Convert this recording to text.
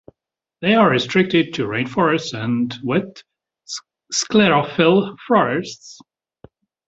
They are restricted to rainforests and wet sclerophyll forests.